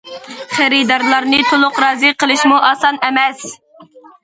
خېرىدارلارنى تولۇق رازى قىلىشمۇ ئاسان ئەمەس.